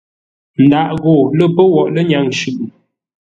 Ndaʼ gho lə́ pə́ woghʼ lənyâŋ shʉʼʉ.